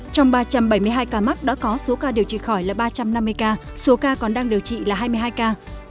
trong ba trăm bảy mươi hai ca mắc đã có số ca điều trị khỏi là ba trăm năm mươi ca số ca còn đang điều trị là hai mươi hai ca